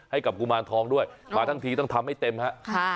กุมารทองด้วยมาทั้งทีต้องทำให้เต็มฮะ